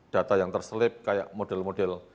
data yang terselip kayak model model